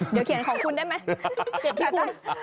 เดี๋ยวเขียนของคุณได้ไหมเก็บแค่นั้น